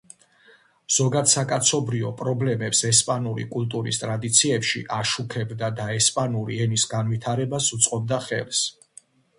ზოგადსაკაცობრიო პრობლემებს ესპანური კულტურის ტრადიციებში აშუქებდა და ესპანური ენის განვითარებას უწყობდა ხელს.